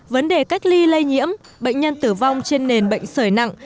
vấn đề cách ly lây nhiễm bệnh nhân tử vong trên nền bệnh sởi nặng